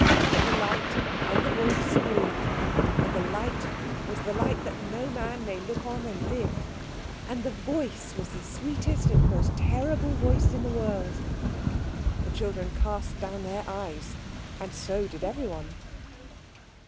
But the light and the voice grew. And the light was the light that no man may look on and live, and the voice was the sweetest and most terrible voice in the world. The children cast down their eyes. And so did everyone.